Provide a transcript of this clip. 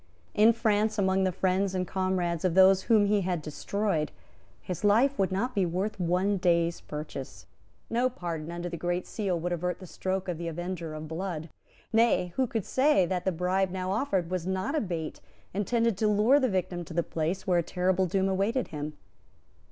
In France, among the friends and comrades of those whom he had destroyed, his life would not be worth one day's purchase. No pardon under the Great Seal would avert the stroke of the avenger of blood. Nay, who could say that the bribe now offered was not a bait intended to lure the victim to the place where a terrible doom awaited him?